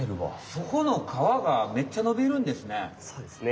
そこのかわがめっちゃのびるんですね？